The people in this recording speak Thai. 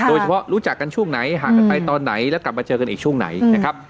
รู้จักกันช่วงไหนห่างกันไปตอนไหนแล้วกลับมาเจอกันอีกช่วงไหนนะครับ